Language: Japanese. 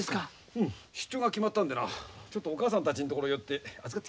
うん出張が決まったんでなちょっとお母さんたちのところへ寄って預かってきた。